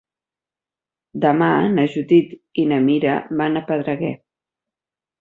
Demà na Judit i na Mira van a Pedreguer.